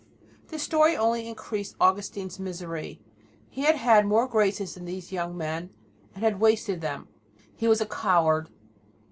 This story only increased Augustine's misery. He had had more graces than these young men, and had wasted them; he was a coward.